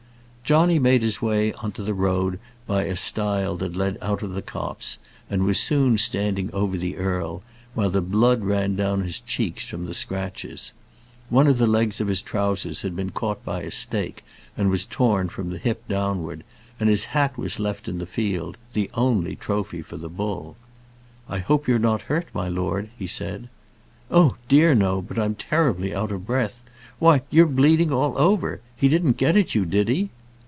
Johnny made his way on to the road by a stile that led out of the copse, and was soon standing over the earl, while the blood ran down his cheeks from the scratches. One of the legs of his trowsers had been caught by a stake, and was torn from the hip downward, and his hat was left in the field, the only trophy for the bull. "I hope you're not hurt, my lord," he said. "Oh dear, no; but I'm terribly out of breath. Why, you're bleeding all over. He didn't get at you, did he?"